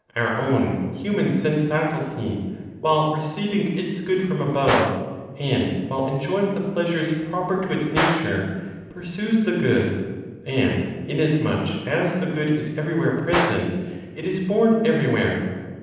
(Our own human) sense (faculty), while receiving its good from above, and while enjoying the pleasures proper to its nature, pursues the Good, and, inasmuch as the Good is everywhere present, it is borne everywhere.